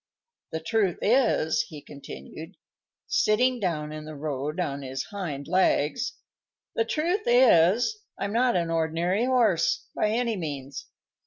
The truth is," he continued, sitting down in the road on his hind legs, "the truth is, I'm not an ordinary horse, by any means.